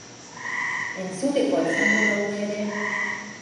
Entzutekoa izango da hura ere!